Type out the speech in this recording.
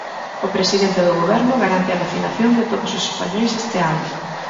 O presidente do Goberno garante a vacinación de todos os españois este ano.